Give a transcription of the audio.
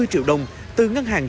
năm mươi triệu đồng từ ngân hàng